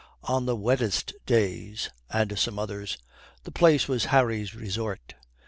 On the wettest days, and some others, the place was Harry's resort.